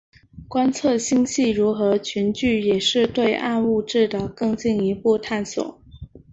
观测星系如何群聚也是对暗物质的更进一步探索。